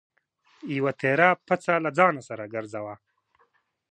یوه تېره پڅه له ځان سره ګرځوه.